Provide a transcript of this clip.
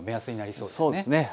そうですね。